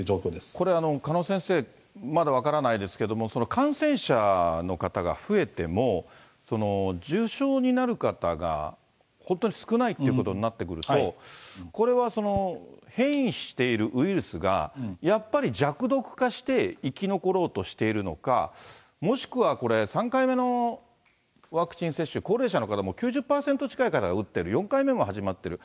これ、鹿野先生、まだ分からないですけども、感染者の方が増えても、重症になる方が本当に少ないということになってくると、これは変異しているウイルスが、やっぱり弱毒化して生き残ろうとしているのか、もしくはこれ、３回目のワクチン接種、高齢者の方も９０％近い方が打ってる、４回目も始まってる。